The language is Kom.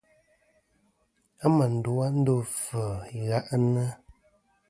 A mà ndu a ndo afvɨ i ghaʼnɨ.